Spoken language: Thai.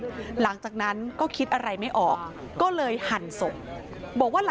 ผมขอถามหน่อยทำไมฆ่าแล้วเราถึงก็ต้องหั่นศพเลยครับผม